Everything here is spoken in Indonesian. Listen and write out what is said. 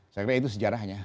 saya kira itu sejarahnya